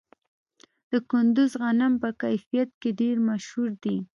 د کندز غنم په کیفیت کې ډیر مشهور دي.